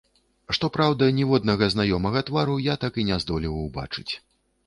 Што праўда, ніводнага знаёмага твару я так і не здолеў убачыць.